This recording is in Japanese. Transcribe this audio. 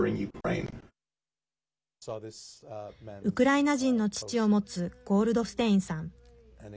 ウクライナ人の父を持つゴールドステインさん。